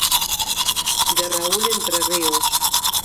De Raúl Entrerríos.